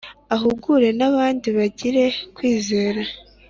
Ahugure nabandi bagire kwizera